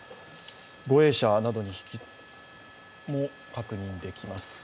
護衛車なども確認できます。